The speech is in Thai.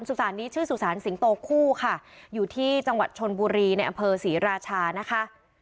สุสานนี้ชื่อสุสานสิงโตคู่ค่ะอยู่ที่จังหวัดชนบุรีในอำเภอศรีราชานะคะ